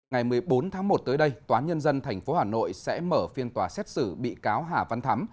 ngày một mươi bốn tháng một tới đây tòa nhân dân tp hà nội sẽ mở phiên tòa xét xử bị cáo hà văn thắm